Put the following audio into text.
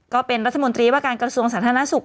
ก็เป็นรัฐมนตรีว่าการกระทรวงสาธารณสุข